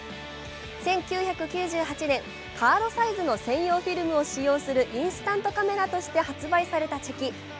１９９８年、カードサイズの専用フィルムを使用するインスタントカメラとして発売されたチェキ。